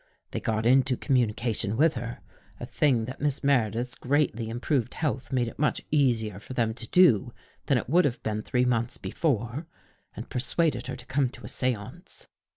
They got into communication with her — a thing that Miss Meredith's greatly improved health made it much easier for them to do than it would have been three months before — and persuaded her to come to a seance.